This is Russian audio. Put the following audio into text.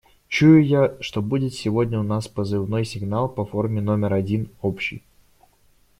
Чую я, что будет сегодня у нас позывной сигнал по форме номер один общий.